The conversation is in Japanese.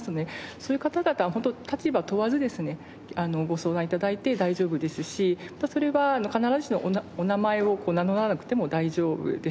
そういう方々は本当立場問わずですねご相談頂いて大丈夫ですしそれは必ずしもお名前を名乗らなくても大丈夫です。